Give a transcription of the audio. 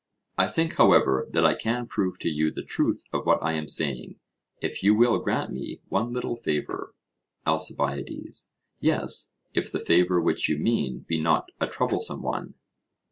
I think, however, that I can prove to you the truth of what I am saying, if you will grant me one little favour. ALCIBIADES: Yes, if the favour which you mean be not a troublesome one.